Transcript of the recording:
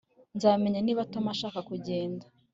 Nzamenya niba Tom ashaka kugenda